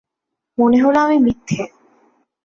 মনে হল আমি মিথ্যে।